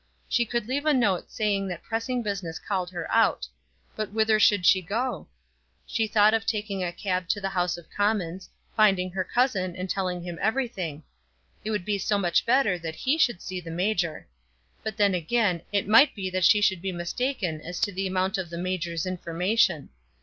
She could leave a note saying that pressing business called her out. But whither should she go? She thought of taking a cab to the House of Commons, finding her cousin, and telling him everything. It would be so much better that he should see the major. But then again, it might be that she should be mistaken as to the amount of the major's information.